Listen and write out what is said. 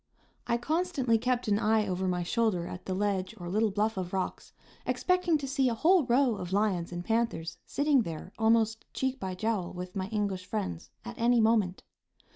I constantly kept an eye over my shoulder at the ledge or little bluff of rocks, expecting to see a whole row of lions and panthers sitting there, almost "cheek by jowl" with my English friends, at any moment.